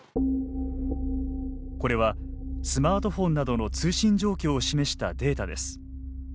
これは、スマートフォンなどの通信状況を示したデータです。